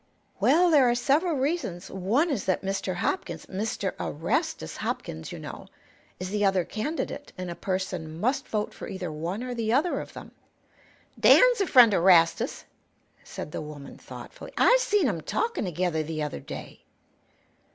"Well, there are several reasons. One is that Mr. Hopkins Mr. Erastus Hopkins, you know, is the other candidate, and a person must vote for either one or the other of them." "Dan's a friend o' 'Rastus," said the woman, thoughtfully. "I seen 'em talkin' together the other day."